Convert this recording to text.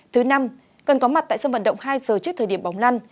thứ năm cần có mặt tại sân vận động hai giờ trước thời điểm bóng lăn